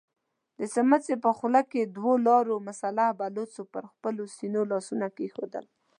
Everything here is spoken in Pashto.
د سمڅې په خوله کې دوو ولاړو مسلح بلوڅو پر خپلو سينو لاسونه کېښودل.